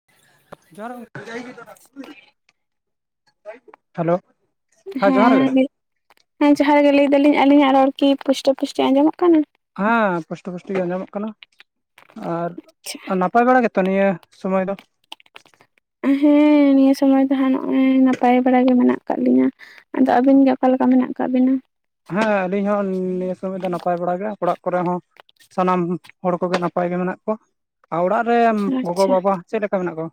[unintelligible] Hello ᱡᱚᱦᱟᱨ ᱜᱮ ᱦᱮᱸ ᱦᱮᱸ ᱡᱚᱦᱟᱨ ᱜᱮ ᱞᱟᱹᱭ ᱫᱟᱞᱤᱧ ᱟᱹᱞᱤᱧᱟᱜ ᱨᱚᱲ ᱠᱤ ᱯᱩᱥᱴᱟᱹ ᱯᱩᱥᱴᱤ ᱟᱸᱡᱚᱢᱚᱜ ᱠᱟᱱᱟ? ᱦᱮᱸ ᱯᱩᱥᱴᱚ ᱯᱩᱥᱴᱤ ᱜᱮ ᱟᱸᱡᱚᱢᱚᱜ ᱠᱟᱱᱟ ᱟᱨ ᱱᱟᱯᱟᱭ ᱵᱟᱲᱟ ᱜᱮᱛᱚ ᱱᱤᱭᱟᱹᱼᱼ ᱥᱚᱢᱚᱭ ᱫᱚ? ᱦᱮᱸ ᱱᱤᱭᱟᱹ ᱥᱚᱢᱚᱭ ᱫᱚ ᱦᱟᱸᱜ ᱱᱚᱜᱼᱚᱭ ᱱᱟᱯᱟᱭ ᱵᱟᱲᱟ ᱜᱮ ᱢᱮᱱᱟᱜ ᱟᱠᱟᱫ ᱞᱤᱧᱟᱹ᱾ ᱟᱫᱚ ᱟᱹᱵᱤᱱ ᱜᱮ ᱚᱠᱟ ᱞᱮᱠᱟ ᱢᱮᱱᱟᱜ ᱟᱠᱟᱜ ᱵᱤᱱᱟ᱾ ᱦᱮᱸ ᱟᱹᱞᱤᱧ ᱦᱚᱸ ᱱᱤᱭᱟᱹ ᱥᱚᱢᱚᱭ ᱫᱚ ᱱᱟᱯᱟᱭ ᱵᱟᱲᱟ ᱜᱮ ᱚᱲᱟᱜ ᱠᱚᱨᱮ ᱦᱚᱸᱼᱼ ᱥᱟᱱᱟᱢ ᱦᱚᱲ ᱠᱚᱜᱮ ᱱᱟᱯᱟᱭ ᱜᱮ ᱢᱮᱱᱟᱜ ᱠᱚᱣᱟ ᱟᱨ ᱚᱲᱟᱜ ᱨᱮᱼᱼ ᱜᱚᱜᱚ ᱟᱪᱪᱷᱟ ᱵᱟᱵᱟ ᱪᱮᱫ ᱞᱮᱠᱟ ᱢᱮᱱᱟᱜ ᱠᱚᱣᱟ?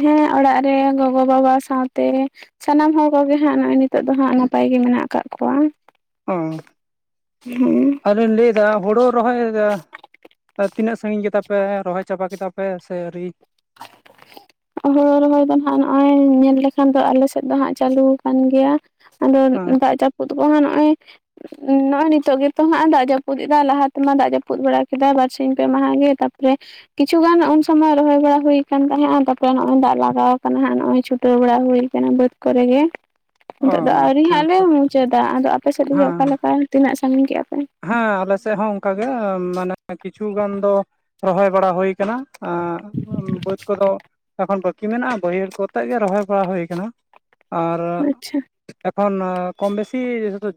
ᱦᱮᱸ ᱚᱲᱟᱜ ᱨᱮ ᱜᱚᱜᱚ ᱵᱟᱵᱟ ᱥᱟᱶᱛᱮ ᱥᱟᱱᱟᱢ ᱦᱚᱲ ᱠᱚᱜᱮ ᱦᱟᱸᱜ ᱱᱚᱜᱚᱭᱼᱼ ᱱᱤᱛᱚᱜ ᱫᱚ ᱦᱟᱸᱜ ᱱᱟᱯᱟᱭ ᱜᱮ ᱢᱮᱱᱟᱜ ᱟᱠᱟᱜ ᱠᱚᱣᱟ᱾ ᱚᱻ ᱦᱮᱸ᱾ ᱟᱫᱚ ᱞᱤᱧ ᱞᱟᱹᱭ ᱮᱫᱟ ᱦᱳᱲᱩ ᱨᱚᱦᱚᱭᱟ ᱛᱤᱱᱟᱹᱜ ᱥᱟᱺᱜᱤᱧ ᱠᱮᱫᱟ ᱯᱮ ᱨᱚᱦᱚᱭ ᱪᱟᱵᱟ ᱠᱮᱫᱟ ᱯᱮ ᱥᱮ ᱟᱣᱨᱤ? ᱦᱳᱲᱩ ᱨᱚᱦᱚᱭ ᱫᱚ ᱦᱟᱸᱜ ᱱᱚᱜᱼᱚᱭ ᱧᱮᱞ ᱞᱮᱠᱷᱟᱱ ᱫᱚ ᱟᱞᱮ ᱥᱮᱫ ᱫᱚ ᱦᱟᱸᱜ ᱪᱟᱹᱞᱩ ᱟᱠᱟᱱ ᱜᱮᱭᱟ᱾ ᱟᱫᱚ ᱦᱮᱸ ᱫᱟᱜ ᱡᱟᱹᱯᱩᱫ ᱠᱚᱦᱚ ᱱᱚᱜᱼᱚᱭ ᱱᱚᱜᱼᱚᱭ ᱱᱤᱛᱚᱜ ᱜᱮᱛᱚ ᱦᱟᱸᱜ ᱫᱟᱜ ᱡᱟᱹᱯᱩᱫ ᱮᱫᱟ ᱞᱟᱦᱟ ᱛᱮᱢᱟ ᱫᱟᱜ ᱡᱟᱹᱯᱩᱫ ᱵᱟᱲᱟ ᱠᱮᱫᱟᱭ ᱵᱟᱨᱥᱤᱧ ᱯᱮ ᱢᱟᱦᱟ ᱜᱮ ᱛᱟᱨᱯᱚᱨᱮᱼᱼ ᱠᱤᱪᱷᱩ ᱜᱟᱱ ᱩᱱ ᱥᱚᱢᱚᱭ ᱨᱚᱦᱚᱭ ᱵᱟᱲᱟ᱾ ᱦᱩᱭ ᱟᱠᱟᱱ ᱛᱟᱦᱮᱸᱱᱟ ᱛᱟᱨᱯᱚᱨᱮ ᱱᱚᱜ ᱚᱚᱭ ᱫᱟᱜ ᱞᱟᱜᱟᱣ ᱟᱠᱟᱱᱟ ᱱᱚᱜ ᱚᱭ ᱪᱷᱩᱴᱟᱹᱣ ᱵᱟᱲᱟ ᱦᱩᱭ ᱟᱠᱟᱱᱟ ᱵᱟᱹᱫᱽ ᱠᱚᱨᱮ ᱜᱮᱼᱼ ᱚ ᱱᱤᱛᱚᱜ ᱫᱚ ᱟᱹᱣᱨᱤ ᱦᱮᱸ ᱦᱟᱸᱜ ᱞᱮ ᱛᱚ ᱢᱩᱪᱟᱹᱫᱟ ᱟᱫᱚ ᱟᱯᱮ ᱥᱮᱫ ᱞᱟᱹᱜᱤ ᱦᱮᱸ ᱚᱠᱟ ᱞᱮᱠᱟ ᱛᱤᱱᱟᱹᱜ ᱥᱟᱺᱜᱤᱧ ᱠᱮᱭᱟ ᱯᱮ? ᱦᱮᱸ ᱟᱞᱮ ᱥᱮᱫ ᱦᱚᱸ ᱚᱱᱠᱟᱜ ᱜᱮ ᱢᱟᱱᱮ ᱠᱤᱪᱷᱩ ᱜᱟᱱ ᱫᱚᱼᱼ ᱨᱚᱦᱚᱭ ᱵᱟᱲᱟ ᱦᱩᱭ ᱠᱟᱱᱟ᱾ ᱵᱟᱹᱫᱽ ᱠᱚᱫᱚ ᱮᱠᱷᱚᱱ ᱵᱟᱹᱠᱤ ᱢᱮᱱᱟᱜᱼᱟ ᱵᱟᱹᱭᱦᱟᱹᱲ ᱠᱚᱛᱮᱜ ᱜᱮ ᱨᱚᱦᱚᱭ ᱵᱟᱲᱟ ᱦᱩᱭ ᱟᱠᱟᱱᱟ᱾ ᱟᱨ ᱟᱪᱪᱷᱟ ᱮᱠᱷᱚᱱ ᱠᱚᱢ ᱵᱮᱥᱤ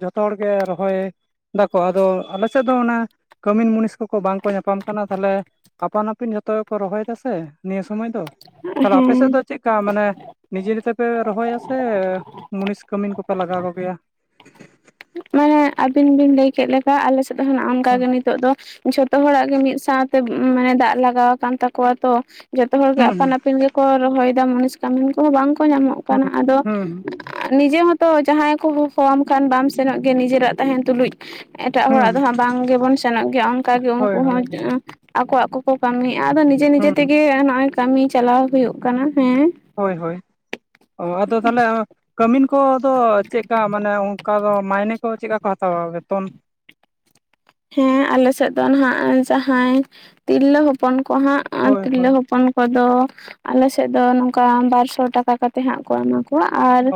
ᱡᱚᱛᱚ ᱦᱚᱲᱜᱮ ᱨᱚᱦᱚᱭᱼᱼ ᱟᱫᱚ ᱟᱞ ᱥᱮᱫ ᱫᱚ ᱚᱱᱮᱼᱼ ᱠᱟᱹᱢᱤᱱ ᱢᱩᱱᱤᱥ ᱠᱚᱠᱚ ᱵᱟᱝ ᱠᱚ ᱧᱟᱯᱟᱢ ᱠᱟᱱᱟ ᱛᱟᱦᱞᱮ ᱟᱯᱟᱱ ᱟᱹᱯᱤᱱ ᱡᱷᱚᱛᱚ ᱜᱮᱠᱚ ᱨᱚᱦᱚᱭ ᱫᱟ ᱥᱮ᱾ ᱱᱤᱭᱟᱹ ᱥᱚᱢᱚᱭ ᱫᱚ ᱛᱟᱦᱞᱮ ᱟᱯᱮ ᱥᱮᱫ ᱦᱮᱸ ᱫᱚ ᱪᱮᱫᱠᱟ ᱢᱟᱱᱮ? ᱱᱤᱡᱮ ᱱᱤᱡᱮ ᱯᱮ ᱨᱚᱦᱚᱭᱟ ᱥᱮ ᱢᱩᱱᱤᱥ ᱠᱟᱹᱢᱤᱱ ᱠᱚᱯᱮ ᱞᱟᱜᱟᱣ ᱠᱚ ᱜᱮᱭᱟ? ᱢᱟᱱᱮ ᱟᱹᱵᱤᱱ ᱵᱤᱱ ᱞᱟᱹᱭ ᱠᱮᱫ ᱞᱮᱠᱟ ᱟᱞᱮ ᱥᱮᱫ ᱫᱚ ᱚᱱᱠᱟᱜ ᱦᱩᱸ ᱜᱮ ᱱᱤᱛᱚᱜ ᱫᱚ᱾ ᱡᱷᱚᱛᱚ ᱦᱚᱲᱟᱜ ᱜᱮ ᱢᱤᱫ ᱥᱟᱶᱛᱮ ᱢᱟᱱᱮ ᱫᱟᱜ ᱞᱟᱜᱟᱣ ᱟᱠᱟᱱ ᱛᱟᱠᱚᱣᱟ ᱛᱚ ᱡᱷᱚᱛᱚ ᱦᱚᱲ ᱜᱮ ᱦᱩᱸ ᱟᱯᱟᱱ ᱟᱹᱯᱤᱱ ᱜᱮᱼᱼ ᱠᱚ ᱨᱚᱦᱚᱭᱮᱫᱟᱢ ᱢᱩᱱᱤᱥ ᱠᱟᱹᱢᱤᱱ ᱠᱚᱦᱚᱸ ᱵᱟᱝ ᱠᱚ ᱧᱟᱢᱚᱜ ᱠᱟᱱᱟ ᱟᱫᱚᱼᱼ ᱦᱩᱸ ᱱᱤᱡᱮ ᱦᱚᱸᱛᱚ ᱡᱟᱦᱟᱸᱭ ᱠᱚ ᱠᱚ ᱦᱚᱦᱣᱟᱢ ᱠᱷᱟᱱ ᱵᱟᱢ ᱥᱮᱱᱚᱜ ᱜᱮᱭᱟ ᱱᱤᱡᱮᱨᱟᱜ ᱛᱟᱦᱮᱱ ᱛᱩᱞᱩᱡᱼᱼ ᱮᱴᱟᱜ ᱦᱩᱸ ᱦᱚᱲᱟᱜ ᱫᱚᱦᱟᱸᱜ ᱵᱟᱝ ᱜᱮᱵᱚᱱ ᱥᱮᱱᱚᱜ ᱜᱮᱭᱟ ᱚᱱᱠᱟᱜ ᱜᱮ ᱦᱳᱭ ᱩᱱᱠᱩ ᱦᱚᱸᱼᱼ ᱦᱳᱭ ᱟᱠᱚᱣᱟᱜ ᱠᱚᱠᱚ ᱠᱟᱹᱢᱤᱭᱮᱫᱼᱟ ᱟᱫᱚ ᱱᱤᱡᱮ ᱦᱩᱸ ᱱᱤᱡᱮ ᱛᱮᱜᱮ ᱱᱚᱜᱚᱭ ᱠᱟᱹᱢᱤ ᱪᱟᱞᱟᱣ ᱦᱩᱭᱩᱜ ᱠᱟᱱᱟ ᱦᱮᱸᱼᱼ ᱦᱳᱭ ᱦᱳᱭ ᱚ ᱟᱫᱚ ᱛᱟᱦᱚᱞᱮ ᱠᱟᱹᱢᱤᱱᱼᱼ ᱠᱚᱫᱚ ᱪᱮᱫᱠᱟ ᱢᱟᱱᱮ ᱚᱱᱠᱟ ᱫᱚ ᱢᱟᱭᱱᱮ ᱠᱚ ᱪᱮᱫᱠᱟ ᱠᱚ ᱦᱟᱛᱟᱣᱟ ᱵᱮᱛᱚᱱ? ᱦᱮᱸ ᱟᱞᱮ ᱥᱮᱫ ᱫᱚ ᱱᱟᱦᱜ ᱡᱟᱦᱟᱸᱭ ᱛᱤᱨᱞᱟᱹ ᱦᱚᱯᱚᱱ ᱠᱚ ᱦᱟᱸᱜ ᱦᱳᱭ ᱛᱤᱨᱞᱟᱹ ᱦᱳᱭ ᱦᱚᱯᱚᱱᱼᱼ ᱠᱚᱫᱚ ᱟᱞᱮ ᱥᱮᱫ ᱫᱚ ᱱᱚᱝᱠᱟ ᱵᱟᱨ ᱥᱚ ᱴᱟᱠᱟ ᱠᱟᱛᱮ ᱦᱟᱸᱜ ᱠᱚ ᱮᱢᱟ ᱠᱚᱣᱟᱼᱼ ᱟᱨ ᱚ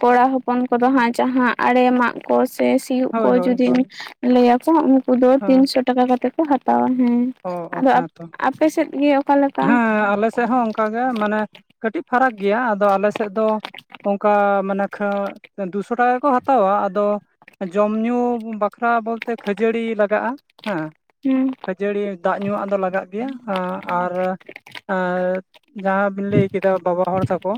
ᱠᱚᱲᱟ ᱦᱚᱯᱚᱱ ᱠᱚᱫᱚ ᱦᱟᱸᱜ ᱡᱟᱦᱟᱸ ᱟᱲᱮ ᱢᱟᱜ ᱠᱚ ᱥᱮᱼᱼ ᱥᱤᱭᱩᱜ ᱦᱳᱭ ᱠᱚ ᱦᱳᱭ ᱡᱩᱫᱤᱢ ᱦᱳᱭ ᱞᱟᱹᱭᱟᱠᱚ ᱩᱱᱠᱩ ᱫᱚ ᱦᱮᱸ ᱛᱤᱱᱥᱚ ᱴᱟᱠᱟ ᱠᱟᱛᱮᱜ ᱠᱚ ᱦᱟᱛᱟᱣᱟ ᱦᱮᱸ ᱚ ᱚ ᱟᱫᱚ ᱦᱮᱸ ᱛᱚ ᱟᱯᱮ ᱥᱮᱫ ᱜᱮ ᱚᱠᱟ ᱞᱮᱠᱟ? ᱦᱮᱸ ᱟᱞᱮ ᱥᱮᱫ ᱦᱚᱸ ᱚᱱᱠᱟᱜᱮ ᱢᱟᱱᱮ ᱠᱟᱹᱴᱤᱡ ᱯᱷᱟᱨᱟᱠ ᱜᱮᱭᱟ ᱟᱫᱚ ᱟᱞᱮ ᱥᱮᱫ ᱫᱚᱼᱼ ᱚᱱᱠᱟ ᱢᱟᱱᱮ ᱠᱷᱟ ᱫᱩᱥᱚ ᱴᱟᱠᱟ ᱜᱮᱠᱚ ᱦᱟᱛᱟᱣᱟ ᱟᱫᱚᱼᱼ ᱡᱚᱢ ᱧᱩ ᱵᱟᱠᱷᱨᱟ ᱵᱚᱞᱛᱮ ᱠᱷᱟᱹᱡᱟᱹᱲᱤ ᱞᱟᱜᱟᱜᱼᱟ ᱦᱮᱸᱼᱼ ᱦᱩᱸ᱾ ᱠᱷᱡᱟᱹᱲᱤ ᱫᱟᱜ ᱧᱩᱣᱟᱜ ᱫᱚ ᱞᱟᱜᱟᱜ ᱜᱮᱭᱟ ᱟᱨ ᱟᱨ ᱡᱟᱦᱟᱸ ᱵᱤᱱ ᱞᱟᱹᱭ ᱠᱮᱫᱟ ᱵᱟᱵᱟ ᱦᱚᱲ ᱛᱟᱠᱚ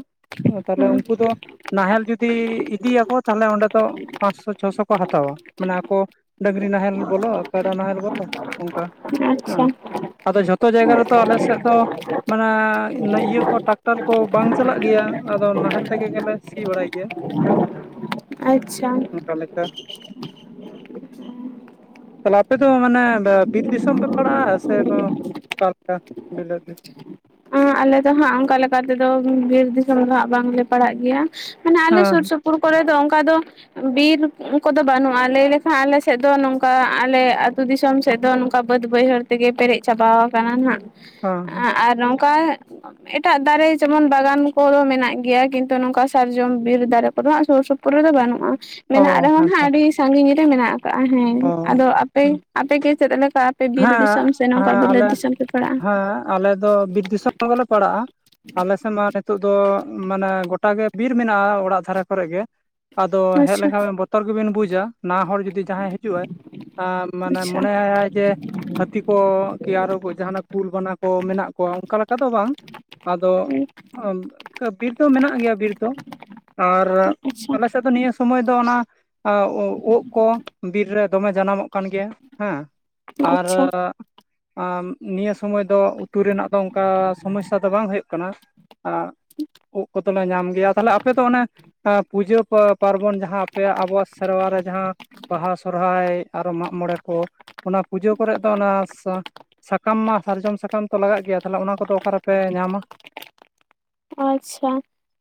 ᱛᱟᱦᱞᱮ ᱦᱮᱸ ᱩᱱᱠᱩ ᱫᱚ ᱱᱟᱦᱮᱞ ᱡᱩᱫᱤ ᱤᱫᱤᱭᱟᱠᱚ ᱛᱟᱦᱞᱮ ᱚᱸᱰᱮ ᱫᱚ ᱯᱟᱸᱥᱥᱚ ᱪᱷᱚᱥᱚ ᱠᱚ ᱦᱟᱛᱟᱣᱟ ᱢᱟᱱᱮ ᱟᱠᱚ ᱰᱟᱹᱝᱨᱤ ᱱᱟᱦᱮᱞ ᱵᱚᱞᱚ ᱠᱟᱰᱟ ᱱᱟᱦᱮᱞ ᱵᱚᱞᱚ ᱚᱱᱠᱟ᱾ ᱦᱮᱸ ᱟᱪᱪᱷᱟ᱾ ᱟᱫᱚ ᱡᱷᱚᱛᱚ ᱡᱟᱭᱜᱟ ᱨᱮᱫᱚ ᱟᱞᱮ ᱥᱮᱫ ᱫᱚ ᱢᱟᱱᱮ ᱤᱭᱟᱹ ᱠᱚ ᱴᱨᱟᱠᱴᱟᱨ ᱠᱚ ᱵᱟᱝ ᱪᱟᱞᱟᱜ ᱜᱮᱭᱟ ᱟᱫᱚ ᱱᱟᱦᱮᱞ ᱛᱮᱜᱮ ᱜᱮᱞᱮ ᱥᱤ ᱵᱟᱲᱟᱭ ᱜᱮᱭᱟ [unintelligible] ᱟᱪᱪᱷᱟ᱾ ᱚᱠᱟ ᱞᱮᱠᱟ? ᱛᱟᱦᱚᱞᱮ ᱟᱯᱮ ᱫᱚ ᱢᱟᱱᱮ ᱵᱤᱨ ᱫᱤᱥᱚᱢ ᱯᱮ ᱯᱟᱲᱟᱜᱼᱟ ᱥᱮ ᱚᱠᱟ ᱞᱮᱠᱟ ᱵᱤᱞᱟᱹᱫ ᱫᱤᱥ ᱟᱞᱮ ᱫᱚ ᱦᱟᱸᱜ ᱚᱱᱠᱟ ᱞᱮᱠᱟ ᱛᱮᱫᱚ ᱵᱤᱨ ᱫᱤᱥᱚᱢ ᱫᱚ ᱦᱟᱸᱜ ᱵᱟᱝᱞᱮ ᱯᱟᱲᱟᱜ ᱜᱮᱭᱟ ᱢᱟᱱᱮ ᱟᱞᱮ ᱦᱮᱸ ᱥᱩᱨ ᱥᱩᱯ ᱯᱩᱨ ᱠᱚᱨᱮ ᱫᱚ ᱚᱱᱠᱟ ᱫᱚ ᱵᱤᱨ ᱠᱚᱫᱚ ᱵᱟᱹᱱᱩᱜᱼᱟ ᱞᱟᱹᱭ ᱞᱮᱠᱷᱟᱱ ᱟᱞᱮ ᱥᱮᱫ ᱫᱚ ᱱᱚᱝᱠᱟ ᱟᱞᱮ ᱟᱹᱛᱩ ᱫᱤᱥᱚᱢ ᱥᱮᱫ ᱫᱚ ᱱᱚᱝᱠ ᱠᱟ ᱵᱟᱹᱫᱽ ᱵᱟᱹᱭᱦᱟᱹᱲ ᱛᱮᱜᱮ ᱯᱮᱨᱮᱡ ᱪᱟᱵᱟ ᱟᱠᱟᱱᱟ ᱱᱟᱜ ᱦᱮᱸ ᱦᱮᱸ ᱟᱨ ᱱᱚᱝᱠᱟ ᱮᱴᱟᱜ ᱫᱟᱨᱮ ᱡᱮᱢᱚᱱ ᱵᱟᱜᱟᱱ ᱠᱚᱦᱫᱚ ᱢᱮᱱᱟᱜ ᱜᱮᱭᱟ ᱠᱤᱱᱛᱩ ᱱᱚᱝᱠᱟ ᱥᱟᱨᱡᱚᱢ ᱵᱤᱨ ᱫᱟᱨᱮ ᱠᱚᱨᱮ ᱦᱟᱸᱜ ᱥᱩᱨ ᱥᱩᱯ ᱯᱩᱨ ᱨᱮᱫᱚ ᱵᱟᱹᱱᱩᱜᱼᱟ᱾ ᱚ ᱢᱮᱱᱟᱜ ᱨᱮᱦᱚᱸ ᱦᱟᱸᱜ ᱦᱮᱸᱛᱚ ᱟᱹᱰᱤ ᱥᱟᱺᱜᱤᱧ ᱨᱮ ᱢᱮᱱᱟᱜ ᱟᱠᱟᱜᱼᱟ ᱦᱮᱸ, ᱚ ᱟᱫᱚ ᱟᱯᱮ ᱦᱮᱸ ᱟᱯᱮ ᱜᱮ ᱪᱮᱫ ᱞᱮᱠᱟ? ᱟᱯᱮ ᱵᱤᱨ ᱫᱤᱥᱚᱢ ᱦᱮᱸ ᱥᱮ ᱱᱚᱝᱠᱟ ᱦᱮᱸ ᱵᱩᱞᱟᱹᱛ ᱟᱞᱮ ᱫᱤᱥᱚᱢ ᱯᱮ ᱯᱷᱚᱲᱟᱜᱼᱟ? ᱦᱮᱸ ᱟᱞᱮ ᱫᱚ ᱵᱤᱨ ᱫᱤᱥᱚᱢ ᱜᱮᱞᱮ ᱯᱟᱲᱟᱜᱼᱟ᱾ ᱟᱞᱮᱥᱮᱫ ᱢᱟ ᱱᱤᱛᱚᱜ ᱫᱚ ᱢᱟᱱᱮ ᱜᱚᱴᱟ ᱜᱮ ᱵᱤᱨ ᱢᱮᱱᱟᱜᱼᱟ ᱚᱲᱟᱜ ᱫᱷᱟᱨᱟ ᱠᱚᱨᱮ ᱜᱮ᱾ ᱟᱫᱚ ᱦᱮᱡ ᱟᱪᱪᱷᱟ ᱞᱮᱱᱠᱷᱟᱱ ᱵᱮᱱ ᱵᱚᱛᱚᱨ ᱜᱮᱵᱤᱱ ᱵᱩᱡᱟ ᱱᱟᱣᱟ ᱦᱚᱲ ᱡᱩᱫᱤ ᱡᱟᱦᱟᱸᱭ ᱦᱤᱡᱩᱜ ᱟᱭ᱾ ᱟ ᱢᱟᱱᱮ ᱟᱪᱪᱷᱟ ᱢᱚᱱᱮ ᱟ ᱟᱭ ᱡᱮ ᱦᱟᱹᱛᱤ ᱠᱚ ᱠᱤ ᱟᱨᱚ ᱡᱟᱦᱱᱟᱜ ᱠᱩᱞ ᱵᱟᱱᱟ ᱠᱚ ᱢᱮᱱᱟᱜ ᱠᱚᱣᱟ ᱚᱱᱠᱟ ᱞᱮᱠᱟ ᱫᱚ ᱵᱟᱝ᱾ ᱟᱫᱚ ᱵᱤᱨ ᱫᱚ ᱢᱮᱱᱟᱜ ᱜᱮᱭᱟ ᱵᱤᱨ ᱫᱚ᱾ ᱟᱨ ᱟᱪᱪᱷᱟ ᱟᱞᱮ ᱥᱮᱫ ᱫᱚ ᱱᱤᱭᱟᱹ ᱥᱩᱚᱢᱚᱭ ᱫᱚ ᱚᱱᱟ ᱟᱨ ᱩᱜ ᱠᱚ ᱵᱤᱨ ᱨᱮ ᱫᱚᱢᱮ ᱡᱟᱱᱟᱢᱚᱜ ᱠᱟᱱ ᱜᱮᱭᱟ ᱦᱮᱸ ᱾ ᱟᱨ ᱟᱪᱪᱷᱟ ᱟᱻᱢ ᱱᱤᱭᱟᱹ ᱥᱚᱢᱚᱭ ᱫᱚ ᱩᱛᱩ ᱨᱮᱱᱟᱜ ᱫᱚ ᱚᱱᱠᱟ ᱥᱚᱢᱚᱥᱥᱟ ᱫᱚ ᱵᱟᱝ ᱦᱩᱭᱩᱜ ᱠᱟᱱᱟ ᱾ ᱟᱜ ᱩᱫ ᱠᱚᱫᱚᱞᱮ ᱧᱟᱢ ᱜᱮᱭᱟ ᱛᱟᱦᱞᱮ ᱟᱯᱮ ᱫᱚ ᱚᱱᱮ ᱯᱩᱡᱟᱹ ᱯᱟᱨᱵᱚᱱ ᱡᱟᱦᱟᱸ ᱟᱯᱮᱭᱟᱜ ᱟᱵᱚᱣᱟᱜ ᱥᱮᱨᱣᱟ ᱨᱮ ᱡᱟᱦᱟᱸ ᱵᱟᱦᱟ ᱥᱚᱦᱚᱨᱟᱭ ᱟᱨᱚ ᱢᱟᱜᱽᱢᱚᱬᱮ ᱠᱚ ᱚᱱᱟ ᱯᱩᱡᱟᱹ ᱠᱚᱨᱮ ᱫᱚ ᱚᱱᱟ ᱥᱟ ᱥᱟᱠᱟᱢ ᱢᱟ ᱥᱟᱨᱡᱚᱢ ᱥᱟᱠᱟᱢ ᱛᱚ ᱞᱟᱜᱟᱜ ᱜᱮᱭᱟ ᱛᱟᱦᱚᱞᱮ ᱚᱱᱟ ᱠᱚᱫᱚ ᱚᱠᱟᱨᱮᱯᱮ ᱧᱟᱢᱟ? ᱟᱪᱪᱷᱟ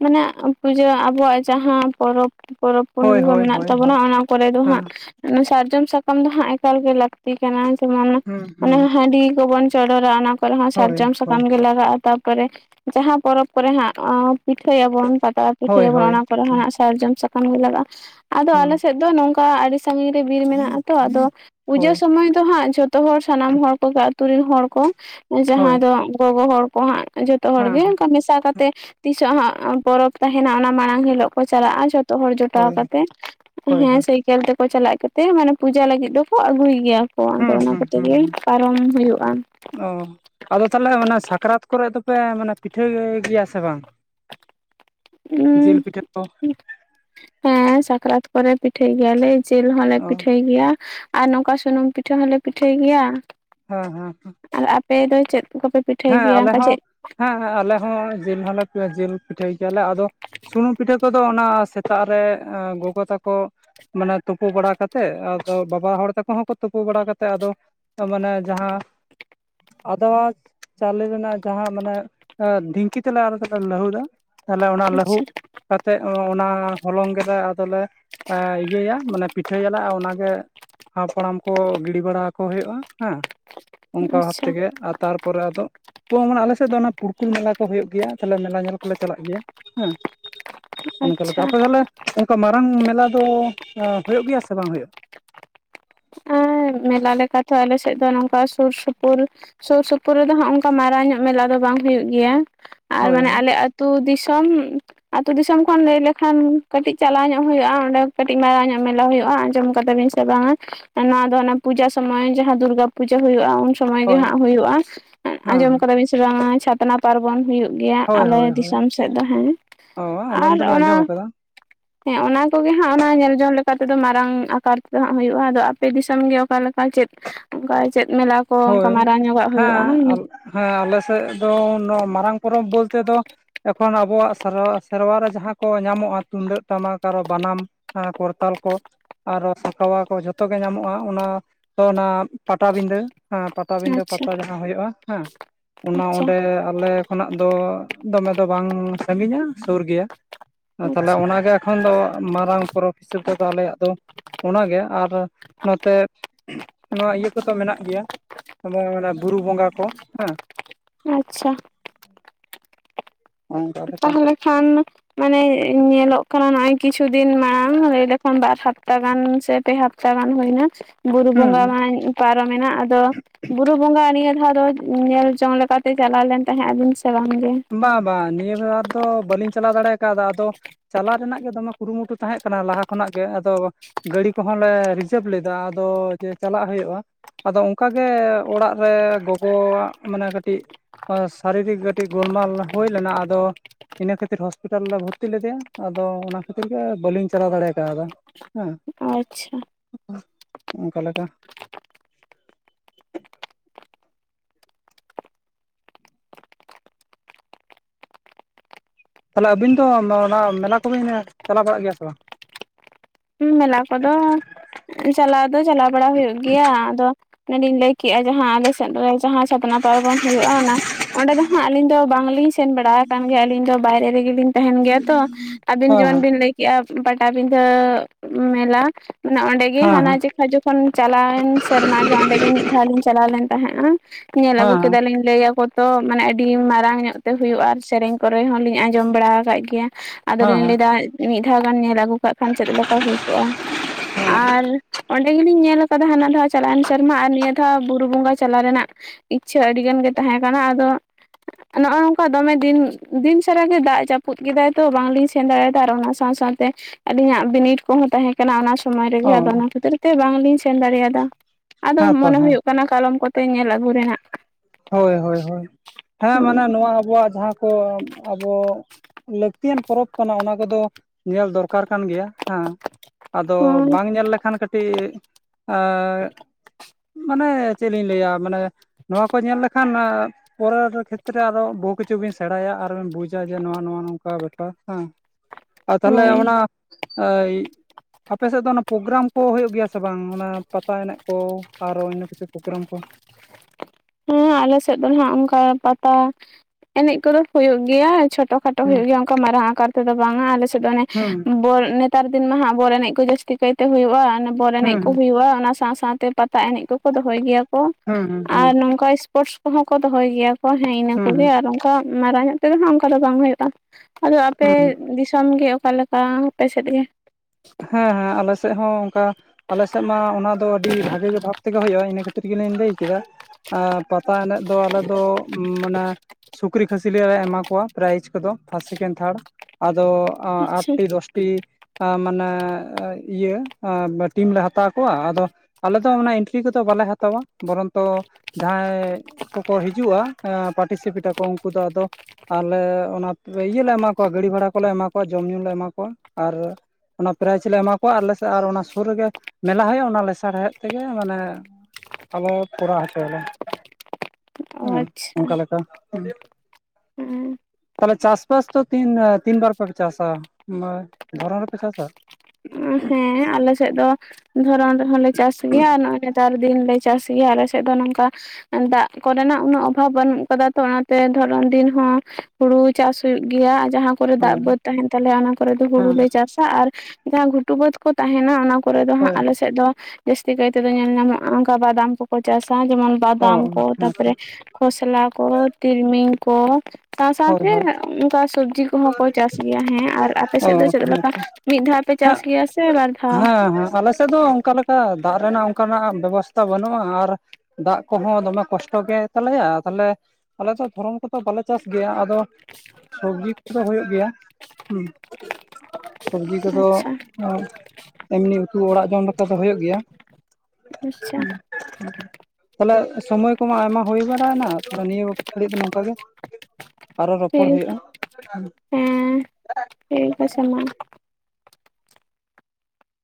ᱢᱟᱱᱮ ᱯᱩᱡᱟᱹ ᱟᱵᱚᱣᱟᱜ ᱡᱟᱦᱟᱸ ᱯᱚᱨᱚᱵᱽ ᱾ ᱯᱚᱨᱚᱵᱽ ᱯᱩᱱᱟᱹᱭ ᱦᱳᱭ ᱠᱚ ᱦᱳᱭ ᱢᱮᱱᱟᱜ ᱦᱳᱭ ᱛᱟᱵᱚᱱᱟ ᱦᱳᱭ ᱚᱱᱟ ᱠᱚᱨᱮ ᱫᱚ ᱦᱮᱸ ᱦᱟᱸᱜ ᱥᱟᱨᱡᱚᱢ ᱥᱟᱠᱟᱢ ᱫᱚ ᱦᱟᱸᱜ ᱮᱠᱟᱞᱜᱮ ᱞᱟᱹᱠᱛᱤ ᱾ ᱠᱟᱱᱟ ᱡᱮᱢᱚᱱ ᱦᱩᱸ ᱦᱩᱸ ᱚᱱᱟ ᱦᱟᱺᱰᱤ ᱠᱚᱵᱚᱱ ᱪᱚᱰᱚᱨᱟ ᱚᱱᱟ ᱠᱚᱨᱮ ᱦᱚᱸ ᱦᱳᱭ ᱥᱟᱨᱡᱚᱢ ᱦᱳᱭ ᱥᱟᱠᱟᱢ ᱜᱮ ᱞᱟᱜᱟᱜᱼᱟ ᱛᱟᱨᱯᱚᱨᱮ ᱡᱟᱦᱟᱸ ᱯᱚᱨᱚᱵᱽ ᱠᱚᱨᱮ ᱦᱟᱸᱜ ᱯᱤᱴᱷᱟᱹᱭᱟᱵᱚᱱ ᱯᱟᱛᱲᱟ ᱦᱳᱭ ᱯᱤᱴᱷᱟᱹᱭᱟᱵᱚᱱ ᱦᱳᱭ ᱚᱱᱟ ᱠᱚᱨᱮ ᱦᱚᱸᱱᱟᱜ ᱥᱟᱨᱡᱚᱢ ᱥᱟᱠᱟᱢ ᱜᱮ ᱞᱟᱜᱟᱜᱼᱟ ᱟᱫᱚ ᱦᱩᱸ ᱟᱞᱮᱥᱮᱫ ᱫᱚ ᱱᱚᱝ ᱚᱱᱠᱟ ᱟᱹᱰᱤ ᱥᱟᱺᱜᱤᱧ ᱨᱮ ᱵᱤᱨ ᱢᱮᱱᱟᱜ ᱟ ᱛᱚ ᱟᱫᱚ ᱯᱩᱡᱟᱹ ᱦᱳᱭ ᱥᱚᱢᱚᱭ ᱫᱚ ᱦᱟᱸᱜ ᱡᱚᱛ ᱟᱛᱚ ᱦᱟᱲ ᱥᱟᱱᱟᱢ ᱦᱚᱲ ᱠᱚᱜᱮ ᱟᱛᱳ ᱨᱮᱱ ᱦᱚᱲ ᱠᱚ ᱦᱳᱭ ᱡᱟᱦᱟᱸᱭ ᱫᱚ ᱜᱚᱜᱚ ᱦᱚᱲ ᱠᱚ ᱦᱟᱸᱜ ᱡᱚᱛᱚ ᱦᱚᱲ ᱜᱮ ᱦᱮᱸ ᱚᱱᱠᱟ ᱢᱮᱥᱟ ᱠᱟᱛᱮᱜ ᱛᱤᱥ ᱦᱚᱸ ᱦᱟᱸᱜ ᱯᱚᱨᱚᱵᱽ ᱛᱟᱦᱮᱱᱟ ᱚᱱᱟ ᱢᱟᱲᱟᱝ ᱦᱤᱞᱳ ᱠᱚ ᱪᱟᱞᱟᱜᱼᱟ ᱾ ᱡᱚᱛᱚ ᱦᱚᱲ ᱡᱚᱴᱟᱣ ᱦᱳᱭ ᱠᱟᱛᱮ ᱦᱳᱭ ᱦᱮᱸ ᱦᱳᱭ ᱥᱟᱭᱠᱮᱞ ᱛᱮ ᱠᱚ ᱪᱟᱞᱟᱜ ᱠᱟᱛᱮ ᱢᱟᱱᱮ ᱯᱩᱡᱟᱹ ᱞᱟᱹᱜᱤᱫ ᱫᱚᱠᱚ ᱟᱹᱜᱩᱭ ᱜᱮᱭᱟ ᱾ ᱟᱫᱚ ᱦᱩᱸ ᱚᱱᱟ ᱦᱩᱸ ᱠᱚᱛᱮ ᱦᱩᱸ ᱜᱮ ᱦᱩᱸ ᱯᱟᱨᱚᱢ ᱦᱩᱭᱩᱜᱼᱟ ᱾ ᱚ ᱾ ᱟᱫᱚ ᱛᱟᱦᱚᱞᱮ ᱢᱟᱱᱮ ᱥᱟᱠᱨᱟᱛ ᱠᱚᱨᱮ ᱫᱚᱯᱮ ᱢᱟᱱᱮ ᱯᱤᱴᱷᱟᱹᱭ ᱜᱮᱭᱟ ᱥᱮ ᱵᱟᱝ? ᱡᱤᱞ ᱯᱤᱴᱷᱟᱹ ᱠᱚ? ᱦᱮᱸ ᱥᱟᱠᱨᱟᱛ ᱠᱚᱨᱮ ᱯᱤᱴᱷᱟᱹᱭ ᱜᱮᱭᱟᱞᱮ ᱡᱤᱞ ᱦᱚᱸᱞᱮ ᱚ ᱯᱤᱴᱷᱟᱹᱭ ᱜᱮᱭᱟ, ᱟᱨ ᱱᱚᱝᱠᱟ ᱥᱩᱱᱩᱢ ᱯᱤᱴᱷᱟᱹ ᱦᱚᱸᱞᱮ ᱯᱤᱴᱷᱟᱹᱭ ᱜᱮᱭᱟ ᱾ ᱦᱮᱸ ᱦᱮᱸ ᱾ ᱟᱨ ᱟᱯᱮ ᱫᱚ ᱪᱮᱫ ᱠᱚ ᱯᱮ ᱯᱤ ᱦᱮᱸ ᱟᱞᱮ ᱦᱚᱸ, ᱦᱮᱸ ᱦᱮᱸ ᱟᱞᱮ ᱦᱚᱸ ᱡᱤᱞ ᱦᱚᱸ ᱞᱮ ᱡᱤᱞ ᱯᱤᱴᱷᱟᱹᱭ ᱜᱮᱭᱟᱞᱮ ᱟᱫᱚ, ᱥᱩᱱᱩᱢ ᱯᱤᱴᱷᱟᱹ ᱠᱚᱫᱚ ᱚᱱᱟ ᱥᱮᱛᱟᱜ ᱨᱮ ᱮᱸ ᱜᱚᱜᱚ ᱛᱟᱠᱚ ᱢᱟᱱᱮ ᱛᱳᱯᱳ ᱵᱟᱲᱟ ᱠᱟᱛᱮᱫ, ᱟᱫᱚ ᱵᱟᱵᱟ ᱦᱚᱲ ᱛᱟᱠᱚ ᱦᱚᱸᱠᱚ ᱛᱳᱯᱳ ᱵᱟᱲᱟ ᱠᱟᱛᱮᱜ ᱟᱫᱚ ᱫᱚ ᱢᱟᱱᱮ ᱡᱟᱦᱟᱸ, ᱟᱫᱣᱟ ᱪᱟᱣᱞᱮ ᱨᱮᱱᱟᱜ ᱡᱟᱦᱟᱸ ᱢᱟᱱᱮ, ᱰᱷᱤᱝᱠᱤ ᱛᱮᱞᱮ ᱟᱨᱚ ᱫᱚᱞᱮ ᱞᱟᱹᱦᱩᱫᱟ ᱛᱟᱦᱚᱞᱮ ᱚᱱᱟ ᱟᱪᱪᱷᱟ ᱞᱟᱹᱦᱩᱜ ᱠᱟᱛᱮᱜ, ᱚᱱᱟ ᱦᱚᱞᱚᱝ ᱜᱮᱞᱮ ᱟᱫᱚᱞᱮ ᱮᱸᱻ ᱤᱭᱟᱹᱭᱟ ᱢᱟᱱᱮ ᱯᱤᱴᱷᱟᱹᱭᱟᱞᱮ ᱟᱨ ᱚᱱᱟᱜᱮ ᱦᱟᱯᱲᱟᱢ ᱠᱚ ᱜᱤᱰᱤ ᱵᱟᱲᱟ ᱟᱠᱚ ᱦᱩᱭᱩᱜᱼᱟ ᱦᱮᱸ, ᱚᱝᱠᱟ ᱵᱷᱟᱵ ᱟᱪᱪᱷᱟ ᱛᱮᱜᱮ ᱟᱨ ᱛᱟᱨ ᱯᱚᱨᱮ ᱟᱫᱚ [unintelligible] ᱢᱟᱱᱮ ᱟᱞᱮ ᱥᱮᱫ ᱫᱚ ᱚᱱᱟ ᱯᱩᱨᱠᱩᱞ ᱢᱮᱞᱟ ᱠᱚ ᱦᱩᱭᱩᱜ ᱜᱮᱭᱟ ᱛᱟᱦᱚᱞᱮ ᱢᱮᱞᱟ ᱧᱮᱞ ᱠᱚᱞᱮ ᱪᱟᱞᱟᱜ ᱜᱮᱭᱟ ᱾ ᱦᱮᱸ ᱾ ᱚᱱᱠᱟ ᱞᱮᱠᱟ ᱟᱪᱪᱷᱟ ᱟᱯᱮ ᱛᱟᱦᱚᱞᱮ ᱚᱝᱠᱟ ᱢᱟᱨᱟᱝ ᱢᱮᱞᱟ ᱫᱚ ᱦᱳᱭᱳᱜ ᱜᱮᱭᱟ ᱥᱮ ᱵᱟᱝ ᱦᱳᱭᱳᱜᱼᱟ? ᱦᱮᱸ ᱢᱮᱞᱟ ᱞᱮᱠᱟ ᱛᱚ ᱟᱞᱮ ᱥᱮᱫ ᱫᱚ ᱱᱚᱝᱠᱟ ᱥᱩᱨ ᱥᱩᱯᱩᱨ ᱥᱩᱨ ᱥᱩᱯᱩᱨ ᱨᱮᱫᱚ ᱦᱟᱸᱜ ᱚᱝᱠᱟ ᱢᱟᱨᱟᱝ ᱧᱚᱜ ᱢᱮᱞᱟ ᱫᱚ ᱵᱟᱝ ᱦᱩᱭᱩᱜ ᱜᱮᱭᱟ, ᱟᱨ ᱦᱳᱭ ᱢᱟᱱᱮ ᱦᱳᱭ ᱟᱞᱮ ᱟᱹ ᱛᱩ ᱫᱤᱥᱚᱢ ᱟᱛᱩ ᱫᱤᱥᱚᱢ ᱠᱷᱚᱱ ᱞᱟᱹᱭ ᱞᱮᱠᱷᱟᱱ ᱠᱟᱹᱴᱤᱡ ᱪᱟᱞᱟᱣ ᱧᱚᱜ ᱦᱩᱭᱩᱜᱼᱟ, ᱚᱸᱰᱮ ᱠᱟᱹᱴᱤᱡ ᱢᱟᱨᱟᱝ ᱧᱚᱜ ᱢᱮᱞᱟ ᱦᱩᱭᱩᱜᱼᱟ ᱟᱸᱡᱚᱢ ᱠᱟᱫᱟ ᱵᱤᱱ ᱥᱮ ᱵᱟᱝᱟ᱾ ᱱᱚᱣᱟ ᱫᱚ ᱚᱱᱟ ᱯᱩᱡᱟ ᱥᱚᱢᱚᱭ ᱡᱟᱦᱟᱸ ᱫᱩᱨᱜᱟ ᱯᱩᱡᱟᱹ ᱦᱩᱭᱩᱜᱼᱟ ᱩᱱ ᱥᱚᱢᱚᱭ ᱜᱮ ᱦᱳᱭ ᱦᱟᱸᱜ ᱦᱩᱭᱩᱜᱼᱟ᱾ ᱟᱸᱡᱚᱢ ᱦᱮᱸ ᱠᱟᱫᱟ ᱵᱤᱱ ᱥᱮ ᱵᱟᱝᱟ ᱪᱷᱟᱛᱱᱟ ᱯᱟᱨᱵᱚᱱ ᱦᱩᱭᱩᱜ ᱜᱮᱭᱟ ᱦᱳᱭ ᱦᱳᱭ ᱟᱞᱮ ᱦᱳᱭ ᱫᱤᱥᱚᱢ ᱥᱮᱫ ᱫᱚ ᱦᱮᱸ, ᱚ ᱟᱸᱡᱚᱢ ᱟᱨ ᱫᱚᱞᱤᱧ ᱟᱸᱡᱚᱢ ᱚᱱᱟ ᱟᱠᱟᱫᱟ ᱦᱮᱸ ᱚᱱᱟ ᱠᱚᱜᱮ ᱦᱟᱸᱜ ᱚᱱᱟ ᱧᱮᱞ ᱡᱚᱝ ᱞᱮᱠᱟ ᱛᱮᱫᱚ ᱢᱟᱨᱟᱝ ᱟᱠᱟᱨ ᱛᱮᱫᱚ ᱦᱟᱸᱜ ᱦᱩᱭᱩᱜᱼᱟ, ᱟᱫᱚ ᱟᱯᱮ ᱫᱤ ᱥᱚᱢ ᱜᱮ ᱚᱠᱟ ᱞᱮᱠᱟ ᱪᱮᱫ, ᱚᱝᱠᱟ ᱪᱮᱫ ᱢᱮᱞᱟ ᱠᱚ ᱚᱝᱠᱟ ᱦᱳᱭ ᱢᱟᱨᱟᱝ ᱧᱚᱜᱚᱜ ᱦᱩᱭᱩᱜᱼᱟ? ᱦᱮᱸ ᱟᱞ- ᱦᱮᱸ ᱟᱞᱮ ᱥᱮᱜ ᱫᱚ ᱱᱚ ᱢᱟᱨᱟᱝ ᱯᱚᱨᱚᱵᱽ ᱵᱚᱞᱛᱮ ᱫᱚ ᱮᱠᱷᱚᱱ ᱟᱵᱚᱣᱟᱜ ᱥᱟᱨᱚᱣᱟ ᱥᱮᱨᱣᱟᱨ ᱨᱮ ᱡᱟᱦᱟᱸ ᱠᱚ ᱧᱟᱢᱚᱜᱼᱟ ᱛᱩᱢᱫᱟᱹᱜ, ᱴᱟᱢᱟᱠ ᱟᱨᱚ ᱵᱟᱱᱟᱢ ᱠᱚᱨᱛᱟᱞ ᱠᱚ, ᱟᱨᱚ ᱥᱟᱠᱟᱣᱟ ᱠᱚ ᱡᱚᱛᱚ ᱜᱮ ᱧᱟᱢᱚᱜᱼᱟ ᱚᱱᱟ, ᱛᱚ ᱚᱱᱟ ᱯᱟᱴᱟᱵᱤᱸᱫᱟᱹ ᱾ ᱦᱮᱸ ᱯᱟᱛᱟᱵᱤᱸᱫᱟᱹ ᱟᱪᱪᱷᱟ ᱯᱟᱛᱟ ᱡᱟᱦᱟᱸ ᱦᱩᱭᱩᱜᱼᱟ ᱦᱮᱸ ᱞ, ᱚᱱᱟ ᱟᱪᱪᱷᱟ ᱚᱸᱰᱮ ᱟᱞᱮ ᱠᱷᱚᱱᱟᱜ ᱫᱚ ᱫᱚᱢᱮ ᱫᱚ ᱵᱟᱝ ᱥᱟᱺᱜᱤᱧᱟ ᱥᱩᱨ ᱜᱮᱭᱟ, ᱟᱨ ᱛᱟᱦᱚᱞᱮ ᱟᱪᱪᱷᱟ ᱚᱱᱟᱜᱮ ᱠᱷᱚᱱ ᱫᱚ ᱢᱟᱨᱟᱝ ᱯᱚᱨᱚᱵᱽ ᱦᱤᱥᱟᱹᱵᱽ ᱛᱮᱫᱚ ᱟᱞᱮᱭᱟᱜ ᱫᱚ ᱚᱱᱟᱜᱮ, ᱟᱨ ᱱᱚᱛᱮ ᱱᱚᱣᱟ ᱤᱭᱟᱹ ᱠᱚᱫᱚ ᱢᱮᱱᱟᱜ ᱜᱮᱭᱟ, ᱟᱵᱟᱣᱟᱜ ᱚᱱᱟ ᱵᱩᱨᱩ ᱵᱚᱸᱜᱟ ᱠᱚ, ᱦᱮᱸ᱾ ᱟᱪᱪᱷᱟ᱾ ᱚᱝᱠᱟ ᱞᱮᱠᱟ᱾ [unintelligible] ᱢᱟᱱᱮ ᱧᱮᱞᱚᱜ ᱠᱟᱱᱟ ᱱᱚᱜᱼᱚᱭ ᱠᱤᱪᱷᱩ ᱫᱤᱱ ᱢᱟᱲᱟᱝ ᱞᱟᱹᱭᱞᱮᱠᱷᱟᱱ ᱵᱟᱨ ᱦᱟᱯᱛᱟ ᱜᱟᱱ ᱥᱮ ᱯᱮ ᱦᱟᱯ ᱛᱟ ᱜᱟᱱ ᱦᱩᱭᱱᱟ, ᱵᱩᱨᱩ ᱦᱩᱸ ᱵᱚᱸᱜᱟ ᱦᱩᱸ ᱢᱟ ᱯᱟᱨᱚᱢᱮᱱᱟ ᱟᱫᱚ ᱵᱩᱨᱩ ᱵᱚᱸᱜᱟ ᱱᱤᱭᱟᱹ ᱫᱷᱟᱣ ᱫᱚ ᱧᱮᱞ ᱡᱚᱝ ᱞᱮᱠᱟᱛᱮ ᱪᱟᱞᱟᱣ ᱞᱮᱱ ᱛᱟᱦᱮᱸᱫ ᱟᱵᱤᱱ ᱥᱮ ᱵᱟᱝ ᱜᱮ? ᱵᱟᱝ ᱵᱟᱝ ᱱᱤᱭᱟᱹ ᱫᱷᱟᱣ ᱫᱚ ᱵᱟᱹᱞᱤᱧ ᱪᱟᱞᱟᱣ ᱫᱟᱲᱮ ᱠᱟᱣᱫᱟ ᱟᱫᱚ ᱪᱟᱞᱟᱜ ᱨᱮᱱᱟᱜ ᱜᱮ ᱫᱚᱢᱮ ᱠᱩᱨᱩᱢᱩᱴᱩ ᱛᱟᱦᱮᱸᱜ ᱠᱟᱱᱟ ᱞᱟᱦᱟ ᱠᱷᱚᱱᱟᱜ ᱜᱮ ᱟᱫᱚ ᱜᱟᱹᱲᱤ ᱠᱚᱦᱚᱸ ᱞᱮ ᱨᱤᱡᱟᱹᱵᱷ ᱞᱮᱫᱟ ᱟᱫᱚ ᱡᱮ ᱪᱟᱞᱟᱜ ᱦᱩᱭᱩᱜᱼᱟ, ᱟᱫᱚ ᱚᱝᱠᱟ ᱜᱮ ᱚᱲᱟᱜ ᱨᱮ ᱜᱚᱜᱚᱣᱟᱜ ᱢᱟᱱᱮ ᱠᱟᱹᱴᱤᱡ ᱥᱟᱨᱤᱨᱤᱠ ᱠᱟᱹᱴᱤᱡ ᱜᱳᱞᱢᱟᱞ ᱦᱩᱭ ᱞᱮᱱᱟ ᱟᱫᱚᱼᱼ ᱤᱱᱟᱹ ᱠᱷᱟᱹᱛᱤᱨ ᱦᱚᱥᱯᱤᱴᱟᱞ ᱨᱮ ᱞᱮ ᱵᱷᱚᱨᱛᱤ ᱞᱮᱫᱮᱭᱟ ᱟᱫᱚ ᱚᱱᱟ ᱠᱷᱟᱹᱛᱤᱨ ᱜᱮ ᱵᱟᱹᱞᱤᱧ ᱪᱟᱞᱟᱣ ᱫᱟᱲᱮ ᱠᱟᱣᱫᱟ᱾ ᱦᱮᱸ ᱟᱪᱪᱷᱟ᱾ ᱚᱱᱠᱟ ᱞᱮᱠᱟ᱾ ᱛᱟᱦᱚᱞᱮ ᱟᱹᱵᱤᱱ ᱫᱚ ᱚᱱᱟ ᱢᱮᱞᱟ ᱠᱚᱵᱤᱱ ᱪᱟᱞᱟᱣ ᱵᱟᱲᱟᱜ ᱜᱮᱭᱟ ᱥᱮ ᱵᱟᱝ? ᱢᱮᱞᱟ ᱠᱚ ᱫᱚ ᱪᱟᱞᱟᱣ ᱫᱚ ᱪᱟᱞᱟᱣ ᱵᱟᱲᱟ ᱦᱩᱭᱩᱜ ᱜᱮᱭᱟ ᱟᱫᱚᱼᱼ ᱚᱱᱮᱞᱤᱧ ᱞᱟᱹᱭ ᱠᱮᱜᱼᱟ ᱡᱟᱦᱟᱸ ᱟᱞᱮᱥᱮᱫ ᱨᱮ ᱡᱟᱦᱟᱸ ᱪᱷᱟᱛᱱᱟ ᱯᱟᱨᱵᱚᱱ ᱦᱩᱭᱩᱜᱼᱟ ᱚᱱᱟᱼᱼ ᱚᱸᱰᱮ ᱫᱚ ᱦᱟᱸᱜ ᱟᱹᱞᱤᱧ ᱫᱚ ᱵᱟᱝᱞᱤᱧ ᱥᱮᱱ ᱵᱟᱲᱟ ᱟᱠᱟᱱ ᱜᱮᱭᱟ ᱟᱹᱞᱤᱧ ᱫᱚ ᱵᱟᱭᱨᱮ ᱨᱮᱜᱮᱞᱤᱧ ᱛᱟᱦᱮᱱ ᱜᱮᱭᱟ ᱛᱚᱼᱼ ᱟᱹᱵᱤᱱ ᱦᱮᱸ ᱦᱮᱸ ᱡᱮᱢᱚᱱ ᱵᱤᱱ ᱞᱟᱹᱭ ᱠᱮᱫᱼᱟ ᱯᱟᱴᱟᱵᱤᱸᱷᱟᱹ ᱢᱮᱞᱟ ᱚᱱᱟ ᱚᱸᱰᱮᱜᱤ ᱦᱮᱸ ᱦᱮᱸ ᱦᱟᱱᱟ ᱪᱮᱠᱷᱟ ᱡᱚᱠᱷᱚᱱ ᱪᱟᱞᱟᱣᱮᱱ ᱥᱮᱨᱢᱟ ᱜᱮ ᱚᱸᱰᱮ ᱜᱮ ᱢᱤᱫ ᱫᱷᱟᱣ ᱞᱤᱧᱼᱼ ᱪᱟᱞᱟᱣ ᱞᱮᱱ ᱛᱟᱦᱮᱸᱜᱼᱟ ᱧᱮᱞ ᱟᱹᱜᱩ ᱦᱮᱸ ᱠᱮᱫᱟᱞᱤᱧᱼᱼ ᱞᱟᱹᱭ ᱟᱠᱚ ᱛᱚ ᱢᱟᱱᱮ ᱟᱹᱰᱤ ᱢᱟᱨᱟᱝ ᱧᱚᱜ ᱛᱮ ᱦᱩᱭᱩᱜᱼᱟ ᱟᱨ ᱥᱮᱨᱮᱧ ᱠᱚᱨᱮ ᱦᱚᱸᱞᱤᱧ ᱟᱸᱡᱚᱢ ᱵᱟᱲᱟ ᱟᱠᱟᱫ ᱜᱮᱭᱟ᱾ ᱦᱮᱸ ᱟᱫᱚᱞᱤᱧ ᱦᱮᱸ ᱞᱟᱹᱭ ᱮᱟ ᱢᱤᱫ ᱫᱷᱟᱣ ᱜᱟᱱ ᱧᱮᱞ ᱟᱹᱜᱩ ᱠᱟᱜ ᱠᱷᱟᱱ ᱪᱮᱫ ᱞᱮᱠᱟ ᱦᱩᱭ ᱠᱚᱜᱼᱟ ᱟᱨᱼᱼ ᱚᱸᱰᱮ ᱜᱮᱞᱤᱧ ᱧᱮᱞ ᱟᱠᱟᱫᱟ ᱦᱟᱱᱟ ᱫᱷᱟ ᱪᱟᱞᱟᱣᱮᱱ ᱥᱮᱨᱢᱟ ᱟᱨ ᱱᱤᱭᱟᱹ ᱫᱷᱟᱣ ᱵᱩᱨᱩ ᱵᱚᱸᱜᱟ ᱪᱟᱞᱟᱣ ᱨᱮᱱᱟᱜᱼᱼ ᱤᱪᱪᱷᱟᱹ ᱟᱹᱰᱤᱜᱟᱱ ᱜᱮ ᱛᱟᱦᱮᱸ ᱠᱟᱱᱟ ᱟᱫᱚᱼᱼ ᱱᱚᱜᱼᱚ ᱱᱚᱝᱼᱠᱟ ᱫᱚᱢᱮ ᱫᱤᱱ ᱫᱤᱱ ᱥᱟᱨᱟᱜ ᱜᱮ ᱫᱟᱜ ᱡᱟᱯᱩᱫ ᱠᱮᱫᱟᱭ ᱛᱚ ᱵᱟᱝᱞᱤᱧ ᱥᱮᱱ ᱫᱟᱲᱮᱭᱟᱫᱟ ᱟᱨ ᱚᱱᱟ ᱥᱟᱶ ᱥᱟᱶ ᱛᱮ ᱟᱹᱞᱤᱧᱟᱜ ᱵᱤᱱᱤᱰᱼᱼ ᱠᱚᱦᱚᱸ ᱛᱟᱦᱮᱸ ᱠᱟᱱᱟ ᱚᱱᱟ ᱥᱚᱢᱚᱭ ᱨᱮᱜᱮ ᱚ ᱟᱫᱚ ᱚᱱᱟ ᱠᱷᱟᱹᱛᱤᱨ ᱛᱮ ᱵᱟᱝᱞᱤᱧ ᱥᱮᱱ ᱫᱟᱲᱮᱭᱟᱫᱟ ᱟᱫᱚ ᱦᱮᱸᱛᱚ ᱢᱚᱱᱮ ᱦᱮᱸ ᱦᱩᱭᱩᱜᱼᱼ ᱠᱟᱱᱟ ᱠᱟᱞᱚᱢ ᱠᱚᱛᱮ ᱧᱮᱞ ᱟᱹᱜᱩ ᱨᱮᱱᱟᱜ ᱦᱳᱭ ᱦᱳᱭ ᱦᱳᱭ ᱦᱮᱸ ᱢᱟᱱᱮ ᱦᱩᱸ ᱱᱚᱣᱟ ᱟᱵᱚᱣᱟᱜ ᱡᱟᱦᱟᱸ ᱠᱚ ᱟᱵᱚᱼᱼ ᱞᱟᱹᱠᱛᱤᱭᱟᱱ ᱯᱚᱨᱚᱵᱽ ᱠᱟᱱᱟ ᱚᱱᱟ ᱠᱚᱫᱚ ᱧᱮᱞ ᱫᱚᱨᱠᱟᱨ ᱠᱟᱱ ᱜᱮᱭᱟ ᱦᱮᱸ ᱟᱫᱚ ᱵᱟᱝ ᱧᱮᱞ ᱞᱮᱠᱷᱟᱱ ᱠᱟᱹᱴᱤᱡᱼᱼ ᱮᱸ ᱢᱟᱱᱮ ᱪᱮᱫ ᱞᱤᱧ ᱞᱟᱹᱭᱟ ᱢᱟᱱᱮᱼᱼ ᱠᱚ ᱧᱮᱞ ᱞᱮᱠᱷᱟᱱ ᱮᱻ ᱯᱚᱨᱮᱨ ᱠᱷᱮᱛᱨᱮ ᱟᱨᱚ ᱵᱚᱦᱩ ᱠᱤᱪᱷᱩ ᱵᱱ ᱥᱮᱬᱟᱭᱟ ᱟᱨᱚᱵᱤᱱ ᱵᱩᱡᱟ ᱡᱮ ᱱᱚᱣᱟ ᱱᱚᱣᱟ ᱱᱚᱝᱠᱟ ᱵᱮᱯᱟᱨ ᱦᱮᱸ ᱟᱨ ᱛᱟᱦᱚᱞᱮ ᱦᱳᱭ ᱚᱱᱟ ᱮᱼᱼ ᱟᱯᱮᱥᱮᱫ ᱫᱚ ᱚᱱᱟ ᱯᱨᱳᱜᱨᱟᱢ ᱠᱚ ᱦᱩᱭᱩᱜ ᱜᱮᱭᱟ ᱥᱮ ᱵᱟᱝ ᱯᱟᱛᱟ ᱮᱱᱮᱡ ᱠᱚ ᱟᱨᱚ ᱱ ᱠᱤᱪᱷᱩ ᱯᱨᱳᱜᱨᱟᱢ ᱠᱚᱼᱼ ᱦᱮᱸ ᱟᱞᱮᱥᱮᱫ ᱫᱚ ᱜ ᱚᱱᱠᱟ ᱯᱟᱛᱟ ᱮᱱᱮᱡ ᱠᱚᱫᱚ ᱦᱩᱭᱩᱜ ᱜᱮᱭᱟ ᱪᱷᱴᱚᱼᱼ ᱠᱷᱟᱴᱚ ᱦᱩᱸ ᱦᱩᱭᱩᱜ ᱜᱮᱭᱟ ᱚᱱᱠᱟ ᱢᱟᱨᱟᱝ ᱟᱠᱟᱨ ᱛᱮᱫᱚ ᱵᱟᱝᱟ ᱟᱞᱮᱥᱮᱫ ᱫᱚ ᱚᱱᱮ ᱦᱩᱸ ᱵᱞᱼᱼ ᱱᱮᱛᱟᱨ ᱫᱤᱱ ᱢᱟ ᱦᱟᱜ ᱵᱚᱞ ᱮᱱᱮᱡ ᱠᱚ ᱡᱟᱹᱥᱛᱤ ᱠᱟᱭᱛᱮ ᱦᱩᱭᱩᱜᱼᱟ ᱵᱚᱞ ᱮᱱᱮᱡ ᱠᱚ ᱦᱩᱭᱩᱜᱼᱟ ᱚᱱᱟ ᱥᱟᱶ ᱥᱟᱶ ᱛᱮᱼᱼ ᱯᱟᱛᱟ ᱮᱱᱮᱡ ᱠᱚᱠᱚ ᱫᱚᱦᱚᱭ ᱜᱮᱭᱟ ᱠᱚ ᱟᱨ ᱱᱚᱝᱠᱟ ᱥᱯᱳᱨᱴᱥ ᱠᱚᱦᱚᱸ ᱠᱚ ᱫᱚᱦᱚᱭ ᱜᱮᱭᱟ᱾ ᱚ ᱦᱮᱸ ᱤᱱᱟᱹ ᱠᱚᱜᱮ ᱟᱨ ᱚᱱᱠᱟ ᱢᱟᱨᱟᱝ ᱧᱚᱜ ᱛᱮᱫᱚ ᱦᱟᱜ ᱚᱱᱠᱟ ᱫᱚ ᱵᱟᱝ ᱦᱩᱭᱩᱜᱼᱟ᱾ ᱟᱫᱚ ᱟᱯᱮ ᱫᱤᱥᱚᱢ ᱜᱮ ᱚᱠᱟᱞᱮᱠᱟ ᱟᱯᱮ ᱥᱮᱫ ᱜᱮ? ᱦᱮᱸ ᱦᱮᱸ ᱟᱞᱮ ᱥᱮᱫ ᱦᱚᱸ ᱚᱱᱠᱟ᱾ ᱟᱞᱮᱥᱮᱫ ᱢᱟ ᱚᱱᱟ ᱫᱚ ᱟᱹᱰᱤ ᱵᱷᱟᱜᱤ ᱵᱷᱟᱵ ᱛᱮᱜᱮ ᱦᱩᱭᱩᱜᱳᱜᱼᱟ ᱤᱱᱟᱹ ᱠᱷᱟᱹᱛᱤᱨ ᱜᱮᱞᱤᱧ ᱞᱟᱹᱭ ᱠᱮᱫᱟ᱾ ᱟᱻ ᱯᱟᱛᱟ ᱮᱱᱮᱡ ᱫᱚ ᱟᱞᱮ ᱫᱚ. ᱢᱟᱱᱮ ᱥᱩᱠᱨᱤ ᱠᱷᱟᱹᱥᱤ ᱞᱮ ᱮᱢᱟ ᱠᱚᱣᱟ ᱯᱮᱨᱟᱹᱭᱤᱡᱽ ᱠᱚᱫᱚ ᱯᱷᱟᱥ ᱥᱮᱠᱮᱱ ᱛᱷᱟᱰ ᱟᱫᱚᱼᱼ ᱟ ᱟᱪᱪᱷᱟ ᱟᱴᱚᱴᱤ ᱫᱚᱥᱴᱤ ᱟ ᱢᱟᱱᱮᱼᱼ ᱦᱮ ᱤᱭᱟᱹ ᱴᱤᱢ ᱞᱮ ᱦᱟᱛᱟᱣ ᱠᱚᱣᱟ ᱟᱫᱚᱼᱼ ᱟᱞᱮ ᱫᱚ ᱚᱱᱟ ᱮᱱᱴᱨᱤ ᱠᱚᱫᱚ ᱵᱟᱞᱮ ᱦᱟᱛᱟᱣᱟ ᱵᱚᱨᱚᱱᱛᱚ ᱡᱟᱦᱟᱸᱭᱼᱼ ᱠᱚᱠᱚ ᱦᱤᱡᱩᱜᱼᱟ ᱯᱟᱴᱤᱥᱤᱯᱮᱴ ᱟᱠᱚ ᱩᱱᱠᱩ ᱫᱚ ᱟᱫᱚᱼᱼ ᱟᱨᱞᱮ ᱚᱱᱟ ᱤᱭᱟᱹ ᱞᱮ ᱮᱢᱟ ᱠᱚᱣᱟ ᱜᱟᱹᱰᱤ ᱵᱷᱟᱲᱟ ᱠᱚᱞᱮ ᱮᱢᱟ ᱠᱚᱣᱟ ᱡᱚᱢ ᱧᱩ ᱞᱮᱮ ᱮᱢᱟ ᱠᱚᱣᱟ ᱟᱨᱼᱼ ᱚᱱᱟ ᱯᱮᱨᱟᱭᱤᱡᱽ ᱞᱮ ᱮᱢᱟ ᱠᱚᱣᱟ ᱟᱨᱞᱮ ᱟᱨ ᱚᱱᱟ ᱥᱩᱨ ᱨᱮᱜᱮ ᱢᱮᱞᱟ ᱦᱩᱭᱩᱜᱼᱟ ᱚᱱᱟ ᱞᱮᱥᱟᱲ ᱦᱮᱫ ᱛᱮᱜᱮ ᱢᱟᱱᱮᱼᱼ ᱟᱵᱚ ᱠᱚᱨᱟᱣ ᱦᱚᱪᱚᱭᱟᱞᱮ ᱚ ᱦᱮᱸ ᱚᱱᱠᱟ ᱞᱮᱠᱟ ᱚᱦ ᱦᱩᱢ ᱛᱟᱦᱚᱞᱮ ᱪᱟᱥᱵᱟᱥ ᱫᱚ ᱛᱤᱱ ᱫᱷᱟᱣ ᱛᱤᱱ ᱵᱟᱨ ᱯᱮ ᱪᱟᱥᱟ ᱵᱟᱹᱭ ᱫᱷᱚᱨᱚᱱ ᱪᱟᱥᱟ ᱦᱮᱸ ᱟᱞᱮ ᱥᱮᱫ ᱫᱚ ᱫᱷᱚᱨᱚᱱ ᱨᱮᱦᱚᱸ ᱞᱮ ᱪᱟᱥ ᱜᱮᱭᱟ ᱟᱨ ᱱᱚᱭ ᱱᱮᱛᱟᱨ ᱫᱤᱱ ᱞᱮ ᱪᱟᱹᱥ ᱜᱮᱭᱟ ᱟᱞᱮ ᱥᱮᱫ ᱫᱚ ᱱᱚᱝᱠᱟ᱾ ᱫᱟᱜ ᱠᱚᱨᱮᱱᱟᱜ ᱩᱱᱟᱹᱜ ᱚᱵᱷᱟᱵᱽ ᱵᱟᱹᱱᱩᱜ ᱠᱟᱫᱟ ᱛᱚ ᱚᱱᱟᱛᱮ ᱫᱷᱚᱨᱚᱱ ᱫᱤᱱ ᱦᱚᱸ ᱦᱩᱲᱩ ᱪᱟᱥ ᱦᱩᱭᱩᱜ ᱜᱮᱭᱟ ᱟᱨ ᱡᱟᱦᱟᱸ ᱠᱚᱨᱮ ᱦᱳᱭ ᱫᱟᱜ ᱵᱟᱹᱫ ᱛᱟᱦᱮᱱ ᱛᱟᱞᱮᱭᱟ ᱚᱱᱟ ᱠᱚᱨᱮ ᱫᱚ ᱦᱩᱲᱩ ᱦᱮᱸ ᱞᱮ ᱪᱟᱥᱟ ᱟᱨ ᱡᱟᱦᱟᱸ ᱜᱷᱩᱴᱩ ᱵᱟᱹᱫᱽ ᱠᱚ ᱛᱟᱦᱮᱱᱟ ᱚᱱᱟ ᱠᱚᱨᱮ ᱫᱚ ᱦᱟᱸᱜ ᱦᱳᱭ ᱟᱞᱮᱥᱮᱫ ᱫᱚ ᱡᱟᱹᱥᱛᱤ ᱠᱟᱭ ᱛᱮ ᱫᱚ ᱧᱮᱞ ᱧᱟᱢᱚᱜᱼᱟ ᱚᱱᱠᱟ ᱵᱟᱫᱟᱢ ᱠᱚ ᱠᱚ ᱪᱟᱥᱟ ᱡᱮᱢᱚᱱ ᱚ ᱵᱟᱫᱟᱢ ᱠᱚ ᱛᱟ ᱯᱚᱨᱮ ᱦᱮᱸᱛᱚ ᱠᱷᱚᱥᱞᱟ ᱠᱚ ᱛᱤᱞᱢᱤᱧ ᱠᱚᱞ ᱥᱟᱶ ᱦᱳᱭ ᱥᱟᱶᱛᱮ ᱦᱳᱭ ᱚᱱᱠᱟ ᱥᱚᱵᱡᱤ ᱠᱚᱦᱚᱸ ᱠᱚ ᱪᱟᱥ ᱜᱮᱭᱟ ᱦᱮᱸ ᱟᱨ ᱟᱯᱮ ᱚ ᱥᱮᱫ ᱫᱚ ᱪᱮᱫ ᱞᱮᱠᱟ? ᱢᱤᱫ ᱫᱷᱟᱣ ᱯᱮ ᱪᱟᱥ ᱜᱮᱭᱟ ᱥᱮ ᱵᱟᱨ ᱫᱷᱟᱣ ᱦᱟᱸ ᱦᱟᱸ ᱟᱞᱮ ᱥᱮᱫ ᱫᱚ ᱚᱱᱠᱟ ᱞᱮᱠᱟ ᱫᱟᱜ ᱨᱮᱱᱟᱜ ᱚᱱᱠᱟᱱᱟᱜ ᱵᱮᱵᱚᱥᱛᱷᱟ ᱵᱟᱱᱩᱜᱼᱟ ᱟᱨ ᱫᱟᱜ ᱠᱚᱦᱚᱸ ᱫᱚᱢᱮ ᱠᱚᱥᱴᱚ ᱜᱮᱛᱟᱞᱮᱭᱟ ᱛᱟᱦᱞᱮ ᱟᱞᱮ ᱫᱚ ᱫᱷᱚᱨᱚᱱ ᱠᱚᱫᱚ ᱵᱟᱞᱮ ᱪᱟᱥ ᱜᱮᱭᱟ ᱟᱫᱚ ᱥᱚᱵᱡᱤ ᱠᱚᱫᱚ ᱦᱩᱭᱩᱜ ᱜᱮᱭᱟ ᱦᱩᱸ᱾ ᱥᱚᱵᱽᱡᱤ ᱠᱚᱫᱚ ᱟᱪᱪᱷᱟ ᱮᱢᱱᱤ ᱩᱛᱩ ᱚᱲᱟᱜ ᱡᱚᱢ ᱞᱮᱠᱟ ᱫᱚ ᱦᱩᱭᱩᱜ ᱜᱮᱭᱟ ᱾ ᱟᱪᱪᱷᱟ, ᱛᱟᱦᱚᱞᱮ ᱥᱚᱢᱚᱭ ᱠᱚᱢᱟ ᱟᱭᱢᱟ ᱦᱩᱭ ᱵᱟᱲᱟᱭᱮᱱᱟ ᱛᱟᱦᱮ ᱱᱤᱭᱟᱹ ᱜᱷᱟᱰᱤ ᱫᱚ ᱱᱚᱝᱠᱟ ᱜᱮ᱾ ᱟᱨᱚ ᱨᱚᱯᱚᱲ ᱦᱩᱭᱩᱜᱼᱟ᱾ ᱦᱮᱸᱻ ᱴᱷᱤᱠ ᱟᱪᱷᱮ ᱢᱟ᱾